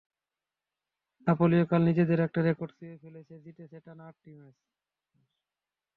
নাপোলিও কাল নিজেদের একটা রেকর্ড ছুঁয়ে ফেলেছে, জিতেছে টানা আটটি ম্যাচ।